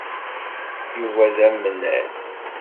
Yuba d amnay.